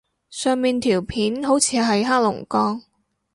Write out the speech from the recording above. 上面條片好似係黑龍江